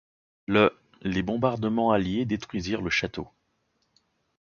Le les bombardements alliés détruisirent le château.